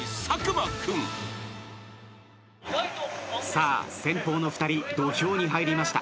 さあ先鋒の２人土俵に入りました。